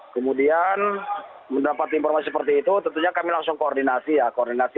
kemudian mendapatkan informasi seperti itu tentunya kami langsung koordinasi